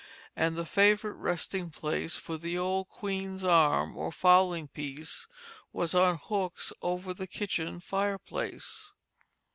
And the favorite resting place for the old queen's arm or fowling piece was on hooks over the kitchen fireplace.